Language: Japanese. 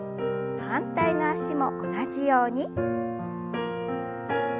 反対の脚も同じように。